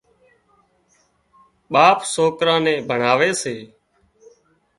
ٻاپ سوڪران نين ڀڻاوي سي